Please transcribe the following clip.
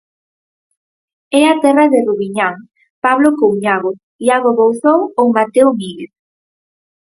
É a terra de Rubiñán, Pablo Couñago, Iago Bouzóu ou Mateo Míguez.